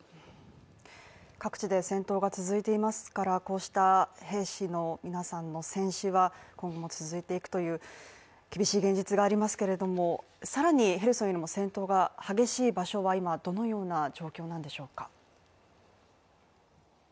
各地で戦闘が続いていますからこうした兵士の皆さんの戦死は今後も続いていくという厳しい現実がありますけれども更にヘルソンへの戦闘が激しい場所は今どのような状況なんでしょうか。